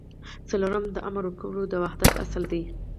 څلورم د امر ورکولو د وحدت اصل دی.